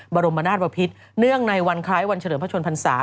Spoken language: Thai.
บรมนาศวพิษเนื่องในวันคล้ายวันเฉลิมพระชนพรรษา